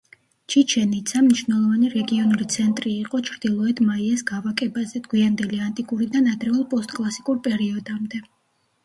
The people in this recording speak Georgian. ჩიჩენ-იცა მნიშვნელოვანი რეგიონული ცენტრი იყო ჩრდილოეთ მაიას გავაკებაზე გვიანდელი ანტიკურიდან ადრეულ პოსტკლასიკურ პერიოდამდე.